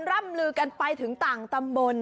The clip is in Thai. ร่ำลือกันไปถึงต่างตำบล